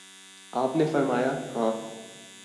آپ نے فرمایا: ہاں